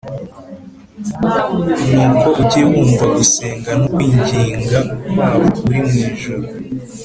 nuko ujye wumva gusenga no kwinginga kwabo uri mu ijuru